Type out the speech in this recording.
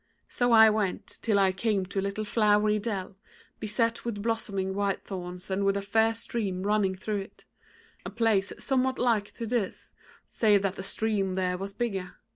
So I went till I came to a little flowery dell, beset with blossoming whitethorns and with a fair stream running through it; a place somewhat like to this, save that the stream there was bigger.